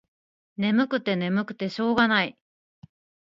ねむくてねむくてしょうがない。